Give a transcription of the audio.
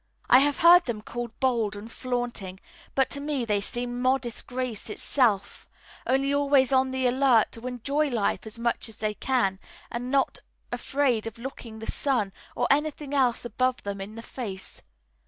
I have heard them called bold and flaunting, but to me they seem modest grace itself, only always on the alert to enjoy life as much as they can and not afraid of looking the sun or anything else above them in the face.